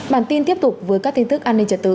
bản tin tiếp tục với các tin tức an ninh trật tự